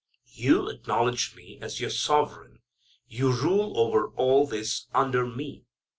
You acknowledge me as your sovereign. You rule over all this under me.